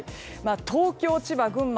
東京、千葉、群馬